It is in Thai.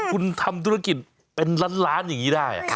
คุณทำธุรกิจเป็นล้านอย่างนี้ได้